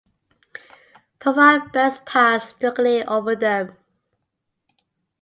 Profiled belts pass directly over them.